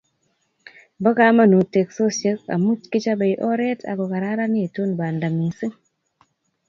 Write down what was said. Bo kamanut teksosiek amu kichobe oret akokararanitu banda mising